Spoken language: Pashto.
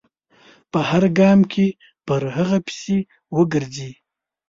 په هر ګام کې پر هغه پسې و ګرځي.